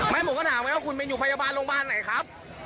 ผมก็ถามไหมว่าคุณเป็นอยู่พยาบาลโรงพยาบาลไหนครับ